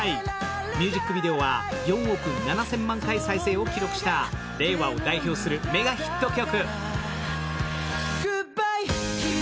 ミュージックビデオは４億７０００万回再生を記録した令和を代表するメガヒット曲。